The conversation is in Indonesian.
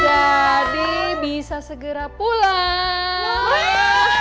jadi bisa segera pulang